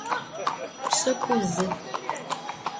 Pş'ık'uzı.